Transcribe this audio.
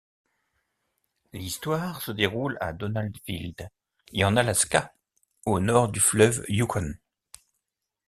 L'histoire se déroule à Donaldville et en Alaska, au nord du fleuve Yukon.